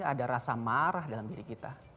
ada rasa marah dalam diri kita